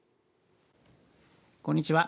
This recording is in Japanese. こんにちは。